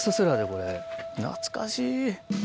これ懐かしい。